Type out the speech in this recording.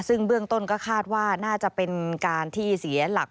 ซึ่งเบื้องต้นก็คาดว่าน่าจะเป็นการที่เสียหลัก